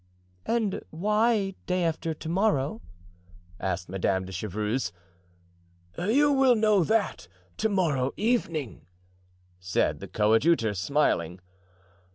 "And why day after to morrow?" asked Madame de Chevreuse. "You will know that to morrow evening," said the coadjutor, smiling.